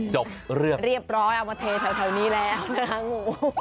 จบเรื่องเรียบร้อยเอามาเทแถวนี้แล้วนะคะงู